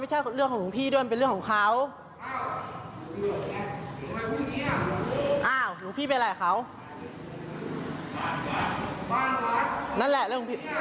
ที่จริงให้เจ้าของบ้านทำมันก็ได้